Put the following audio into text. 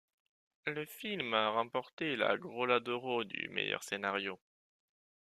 Le film a remporté la Grolla d'oro du meilleur scénario.